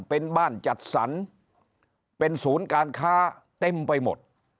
เป็นบ้านจัดสรรเป็นศูนย์การค้าเต็มไปหมด